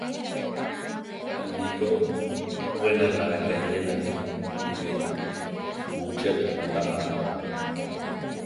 Aʼlí ko we naláka eyénali eyéla, kúchi aʼtanala aa.